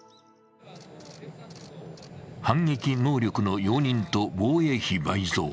反撃能力の容認と防衛費倍増。